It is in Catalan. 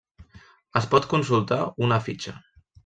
Es pot consultar una fitxa.